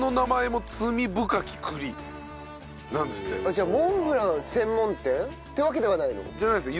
じゃあモンブラン専門店ってわけではないの？じゃないです。